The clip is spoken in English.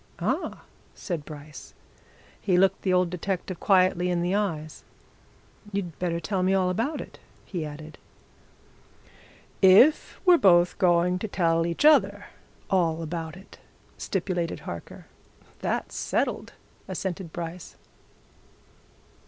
"Ah!" said Bryce. He looked the old detective quietly in the eyes. "You'd better tell me all about it," he added. "If we're both going to tell each other all about it," stipulated Harker. "That's settled," assented Bryce.